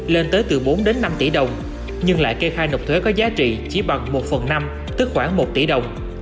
lên tới từ bốn đến năm tỷ đồng nhưng lại kê khai nộp thuế có giá trị chỉ bằng một phần năm tức khoảng một tỷ đồng